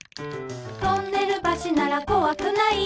「トンネル橋ならこわくない」